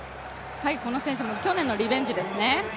この選手も去年のリベンジですね。